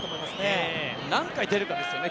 そこを出るかですよね